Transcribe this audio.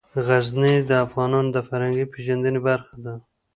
غزني د افغانانو د فرهنګي پیژندنې برخه ده.